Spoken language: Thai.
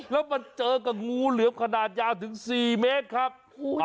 แล้วมาเจอกับงูเหลือมขนาดยาวถึง๔เมตรครับ